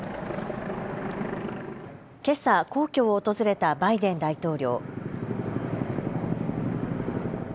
けさ皇居を訪れたバイデン大統領。